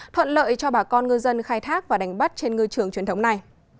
thuận lợi cho bà con ngư dân khai thác và đánh bắt trên ngư trường truyền thống này